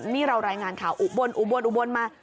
นี่เรารายงานข่าวอุบลมา